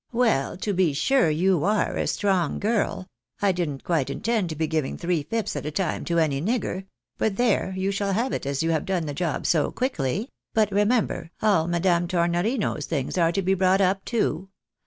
" Well, to be sure, you are a strong girl ! I didn't quite intend to be giving three fips at a time to any nigger ; but there, you shall have it as you have done the job so quickly ; but remember, all Madame Tornorino's things are to be brought up too.